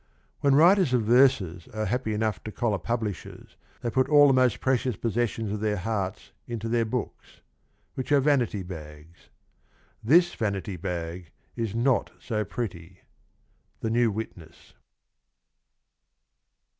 When writers of verses are happy enough to collar publishers they put all the most precious possessions of their hearts into their books — which are vanity bags. ... [This] vanity bag [is] not so pretty. — The New Witness.